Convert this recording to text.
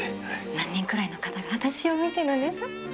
「何人くらいの方が私を見てるんです？」